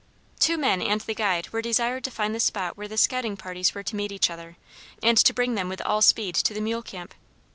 "Two men and the guide were desired to find the spot where the scouting parties were to meet each other, and to bring them with all speed to the mule camp.